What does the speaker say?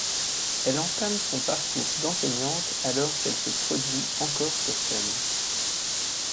Elle entame son parcours d'enseignante alors qu'elle se produit encore sur scène.